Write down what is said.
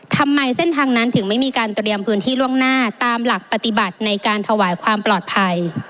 ทำไมเส้นทางนั้นถึงไม่มีการเตรียมพื้นที่ล่วงหน้าตามหลักปฏิบัติในการถวายความปลอดภัย